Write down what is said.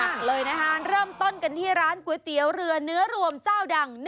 เลยนะคะเริ่มต้นกันที่ร้านก๋วยเตี๋ยวเรือเนื้อรวมเจ้าดัง